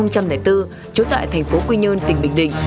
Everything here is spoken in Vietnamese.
trốn tại thành phố quy nhơn tỉnh bình đình